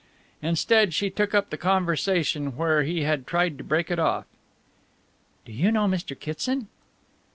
Instead, she took up the conversation where he had tried to break it off. "Do you know Mr. Kitson?"